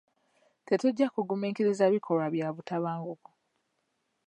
Tetujja kugumiikiriza bikolwa bya butabanguko.